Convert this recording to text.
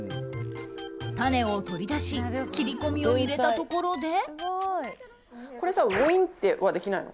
種を取り出し切り込みを入れたところで。